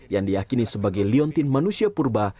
yang diakini sebagai liontin manusia purba